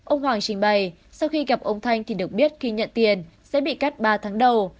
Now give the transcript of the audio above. ông hoàng trình bày sau khi gặp ông thanh thì được biết khi nhận tiền sẽ bị cắt ba tháng đầu